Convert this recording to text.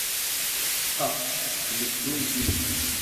Ffeɣ seg tmeddurt-inu.